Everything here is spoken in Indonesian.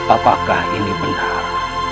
apakah ini benar